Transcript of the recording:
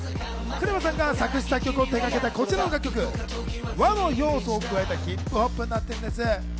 ＫＲＥＶＡさんが作詞・作曲を手がけたこちらの楽曲、和の要素を加えたヒップホップになっているんです。